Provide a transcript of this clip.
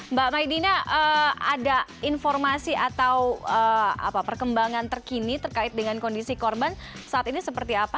mbak maidina ada informasi atau perkembangan terkini terkait dengan kondisi korban saat ini seperti apa